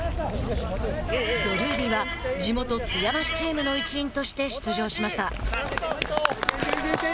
ドルーリーは、地元津山市チームの一員として出場しました。